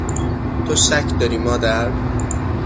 تو شک داری مادر ؟